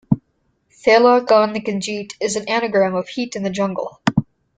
"Thela Hun Ginjeet" is an anagram of "heat in the jungle".